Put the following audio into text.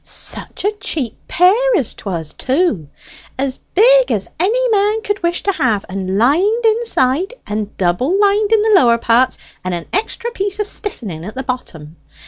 "Such a cheap pair as 'twas too. As big as any man could wish to have, and lined inside, and double lined in the lower parts, and an extra piece of stiffening at the bottom.